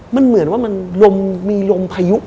มันเหมือนว่ามันมีลมมีลมพายุ